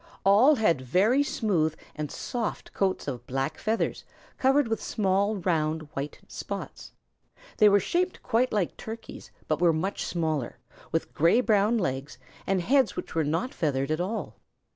All had very smooth and soft coats of black feathers covered with small round white spots. They were shaped quite like Turkeys, but were much smaller, with gray brown legs, and heads which were not feathered at all.